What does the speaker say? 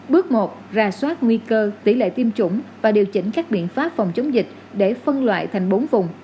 bước một ra soát nguy cơ tỷ lệ tiêm chủng và điều chỉnh các biện pháp phòng chống dịch để phân loại thành bốn vùng